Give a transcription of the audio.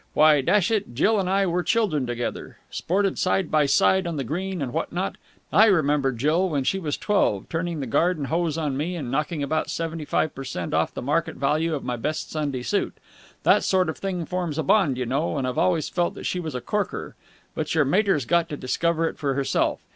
Why, dash it, Jill and I were children together. Sported side by side on the green, and what not. I remember Jill, when she was twelve, turning the garden hose on me and knocking about seventy five per cent off the market value of my best Sunday suit. That sort of thing forms a bond, you know, and I've always felt that she was a corker. But your mater's got to discover it for herself.